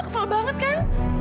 kesel banget kan